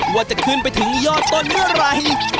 ว่าจะขึ้นไปถึงยอดต้นเมื่อไหร่